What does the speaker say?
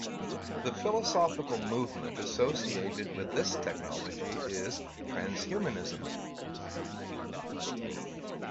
The philosophical movement associated with this technology is transhumanism.